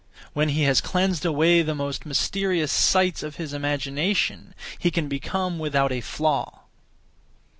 When he has cleansed away the most mysterious sights (of his imagination), he can become without a flaw.